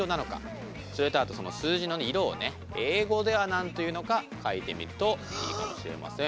それとあとその数字の色を英語では何と言うのか書いてみるといいかもしれません。